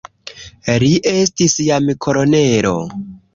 Li estis jam kolonelo.